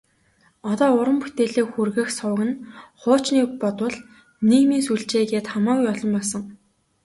Одоо уран бүтээлээ хүргэх суваг нь хуучныг бодвол нийгмийн сүлжээ гээд хамаагүй олон болсон.